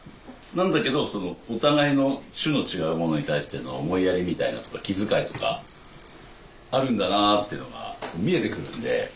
なんだけどお互いの種の違うものに対しての思いやりみたいな気遣いとかあるんだなっていうのが見えてくるんで。